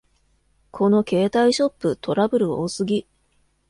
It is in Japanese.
この携帯ショップ、トラブル多すぎ